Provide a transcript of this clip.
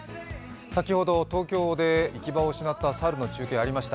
先ほど東京で行き場を失った猿の中継ありました。